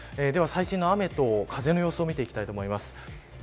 最新の雨と風の様子を見ていきたいと思います。